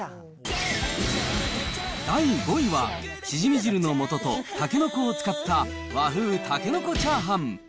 第５位は、しじみ汁のもととたけのこを使った和風たけのこチャーハン。